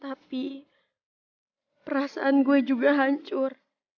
tapi perasaan gue juga hancur